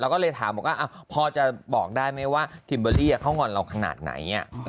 ก็เลยถามบอกว่าพอจะบอกได้ไหมว่าคิมเบอร์รี่เขางอนเราขนาดไหน